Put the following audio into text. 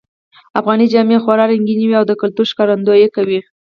افغانۍ جامې خورا رنګینی وی او د کلتور ښکارندویې کوی